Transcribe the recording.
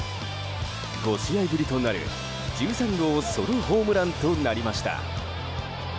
５試合ぶりとなる１３号ソロホームランとなりました。